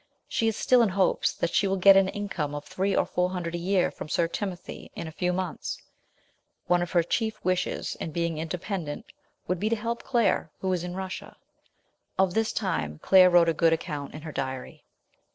She is still in hopes that she will get an income of three or four hundred a year from Sir Timothy in a few months ; one of her chief wishes in being independent would be to help Claire, who is in Russia. Of this time Claire wrote a good account in her diary.